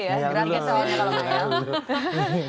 nggak ada yang ngayal dulu